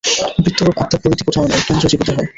বৃত্তরূপ আত্মার পরিধি কোথাও নাই, কেন্দ্র জীবদেহে।